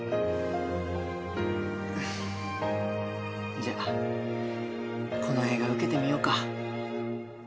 じゃあこの映画受けてみようか。